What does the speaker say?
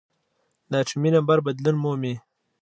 د اتومي نمبر بدلون مومي .